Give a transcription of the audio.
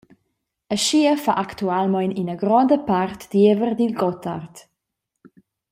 Aschia fa actualmein ina gronda part diever dil Gottard.